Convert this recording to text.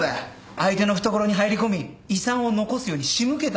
相手の懐に入り込み遺産を残すように仕向けたんだよ。